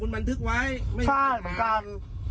บันทึกไว้ไม่ใช่เหมือนกัน